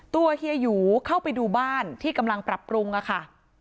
เฮียหยูเข้าไปดูบ้านที่กำลังปรับปรุงค่ะ